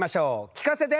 聞かせて！